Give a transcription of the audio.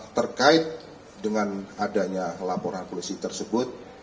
terkait dengan adanya laporan polisi tersebut